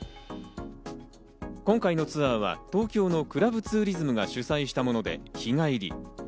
今回のツアーは東京のクラブツーリズムが主催したもので日帰り。